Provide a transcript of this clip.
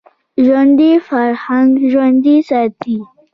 ژوندي فرهنګ ژوندی ساتي